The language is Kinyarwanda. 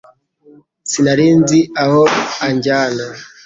Sinari nzi aho anjyana